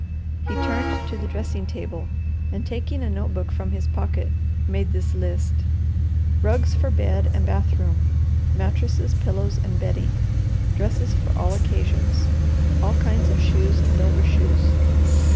He turned to the dressing table and taking a notebook from his pocket made this list: Rugs for bed and bath room. Mattresses, pillows and bedding, Dresses for all occasions. All kinds of shoes and overshoes.